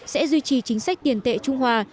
sẽ duy trì chính sách tiền tệ trung hòa